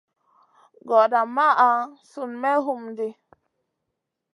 Gordaa maʼa Sun me homdi.